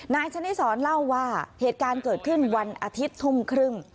ชนิสรเล่าว่าเหตุการณ์เกิดขึ้นวันอาทิตย์ทุ่มครึ่ง